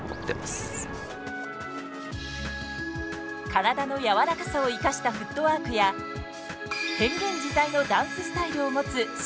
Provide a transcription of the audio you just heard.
体の柔らかさを生かしたフットワークや変幻自在のダンススタイルを持つＳＨＡＤＥ。